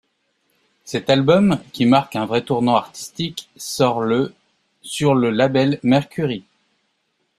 Cet album, qui marque un vrai tournant artistique sort le sur le label Mercury.